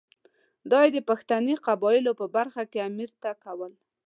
دا یې د پښتني قبایلو په برخه کې امیر ته کول.